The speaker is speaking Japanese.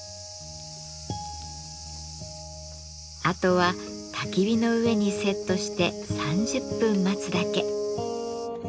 あとはたき火の上にセットして３０分待つだけ。